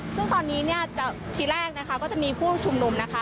ซึ่งตอนนี้เนี่ยทีแรกนะคะก็จะมีผู้ชุมนุมนะคะ